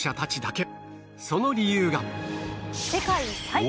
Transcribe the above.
その理由が